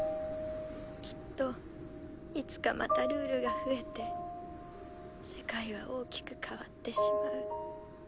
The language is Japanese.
きっといつかまたルールが増えて世界は大きく変わってしまう。